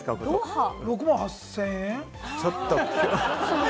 ６万８０００円？